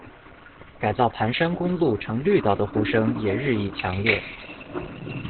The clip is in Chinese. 改造盘山公路成绿道的呼声也日益强烈。